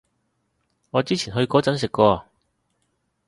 我之前去嗰陣食過